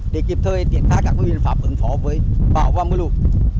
để kịp thời triển khai các biện pháp ứng phó với bão và mưa lụt